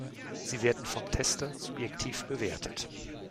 Sie werden vom Tester subjektiv bewertet.